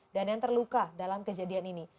dan yang terluka dalam kejadian ini